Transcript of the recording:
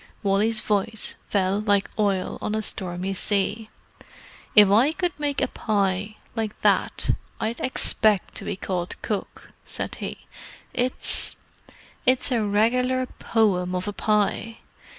Wally's voice fell like oil on a stormy sea. "If I could make a pie like that I'd expect to be called 'Cook,'" said he. "It's—it's a regular poem of a pie!"